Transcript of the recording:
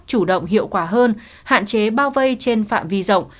chủ động hiệu quả hơn hạn chế bao vây trên phạm vi rộng